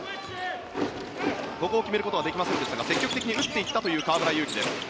ここを決めることはできませんでしたが積極的に打っていったという河村勇輝です。